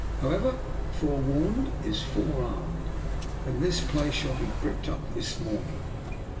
However, forewarned is forearmed, and this place shall be bricked up this morning.